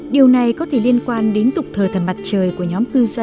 điều này có thể liên quan đến tục thờ thần mặt trời của nhóm cư dân chủ nhân